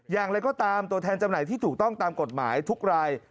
อย่างไรก็ตามตัวแทนจำหน่ายที่ถูกต้องตามกฎหมายทุกราย